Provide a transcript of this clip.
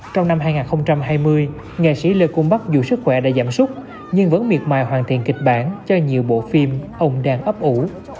trong năm hai nghìn hai mươi nghệ sĩ lê cung bắc dù sức khỏe đã giảm súc nhưng vẫn miệt mài hoàn thiện kịch bản cho nhiều bộ phim ông đang ấp ủ